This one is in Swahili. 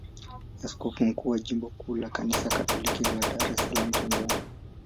ni askofu mkuu wa jimbo kuu la Kanisa Katoliki la Dar es Salaam, Tanzania.